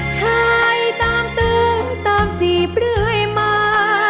ชายตามตึงตามจีบเรื่อยมา